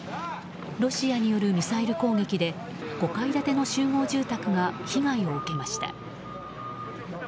ロシアによるミサイル攻撃で５階建ての集合住宅が被害を受けました。